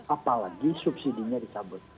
apalagi subsidi nya dicabut